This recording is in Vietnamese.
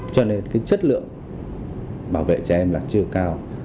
cho nên cái chất lượng bảo vệ trẻ em là chưa cao